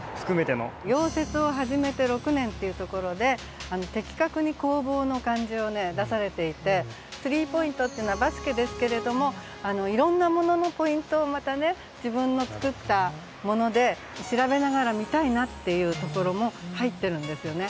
「溶接を始めて六年」っていうところで的確に工房の感じを出されていて「スリーポイント」っていうのはバスケですけれどもいろんなもののポイントをまたね自分の作ったもので調べながら見たいなっていうところも入ってるんですよね。